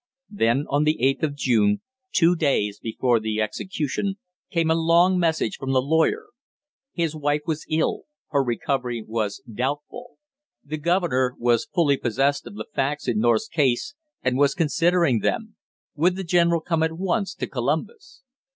Then on the eighth of June, two days before the execution, came a long message from the lawyer. His wife was ill, her recovery was doubtful; the governor was fully possessed of the facts in North's case and was considering them, would the general come at once to Columbus?